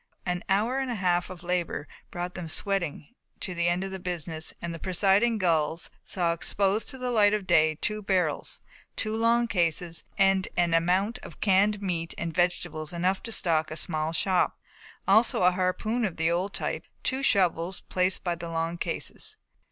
An hour and a half of labour brought them sweating to the end of the business and the presiding gulls saw exposed to the light of day two big barrels, two long cases and an amount of canned meat and vegetables enough to stock a small shop, also a harpoon of the old type and two shovels placed by the long cases.